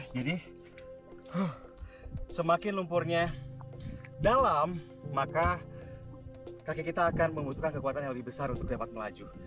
jadi semakin lumpurnya dalam maka kaki kita akan membutuhkan kekuatan yang lebih besar untuk dapat melaju